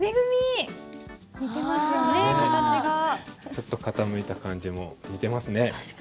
ちょっと傾いた感じも似てますね。